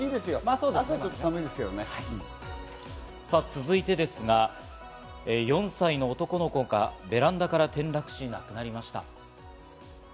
続いてですが、４歳の男の子がベランダから転落し、亡くなりました。